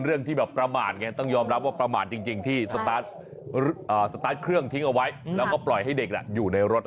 ดีนะที่ไม่มีรถสวนมาแล้วก็ชน